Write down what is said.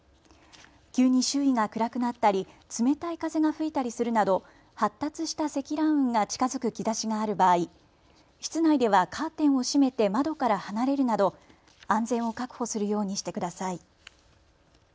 急に周囲が暗くなったり冷たい風が吹いたりするなど発達した積乱雲が近づく兆しがある場合、室内ではカーテンを閉めて窓から離れるなど安全を確保するようにしてください。